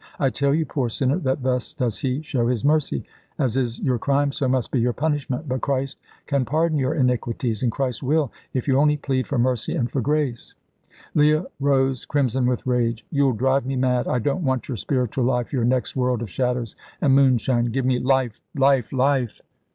I tell you, poor sinner, that thus does He show His mercy. As is your crime, so must be your punishment. But Christ can pardon your iniquities, and Christ will, if you only plead for mercy and for grace." Leah rose, crimson with rage. "You'll drive me mad. I don't want your spiritual life, your next world of shadows and moonshine. Give me life life life!"